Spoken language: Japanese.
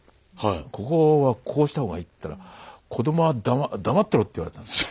「ここはこうした方がいい」って言ったら「子どもは黙ってろ！」って言われたんですよ。